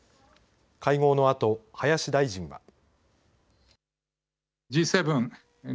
会合のあと林大臣は。